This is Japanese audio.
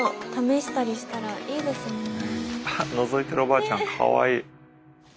あのぞいてるおばあちゃんかわいい。